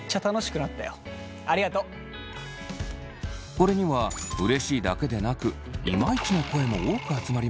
これにはうれしいだけでなくイマイチの声も多く集まりました。